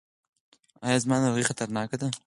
ایا زما ناروغي خطرناکه ده؟